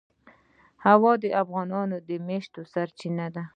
هوا د افغانانو د معیشت سرچینه ده.